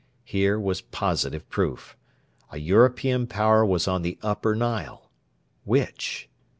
Here was positive proof. A European Power was on the Upper Nile: which?